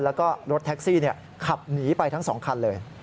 แล้วก็รถแท็กซี่ขับหนีไปทั้ง๒คันเลย